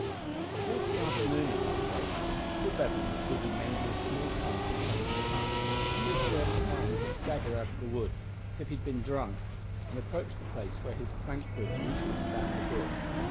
Towards the afternoon of that day Paul Bevan was busy mending a small cart in front of his hut, when he observed a man to stagger out of the wood as if he had been drunk, and approach the place where his plank bridge usually spanned the brook.